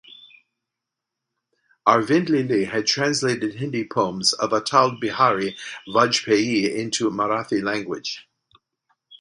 Arvind Lele had translated Hindi poems of Atal Bihari Vajpayee into Marathi language.